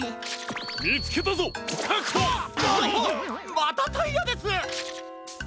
またタイヤです！